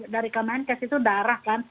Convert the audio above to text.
dari kemenkes itu darah kan